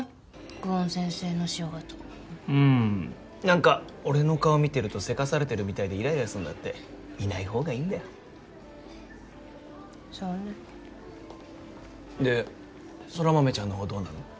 久遠先生の仕事うん何か俺の顔見てるとせかされてるみたいでイライラすんだっていない方がいいんだよそがんねで空豆ちゃんの方はどうなの？